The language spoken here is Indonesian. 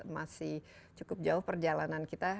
masih cukup jauh perjalanan kita